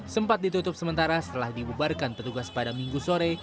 sempat ditutup sementara setelah dibubarkan petugas pada minggu sore